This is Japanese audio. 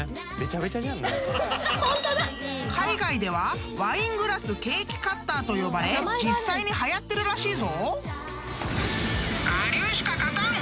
［海外ではワイングラスケーキカッターと呼ばれ実際にはやってるらしいぞ］